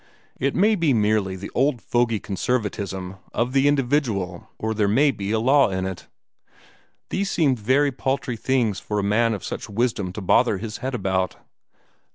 It may be merely the old fogy conservatism of the individual, or there may be a law in it." These seemed very paltry things for a man of such wisdom to bother his head about.